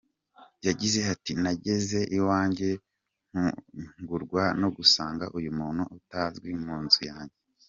Yagize ati “Nageze iwanjye ntungurwa no gusanga uyu muntu utazwi mu nzu yanjye.